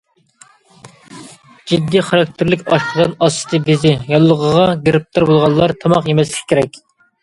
جىددىي خاراكتېرلىك ئاشقازان ئاستى بېزى ياللۇغىغا گىرىپتار بولغانلار تاماق يېمەسلىكى كېرەك.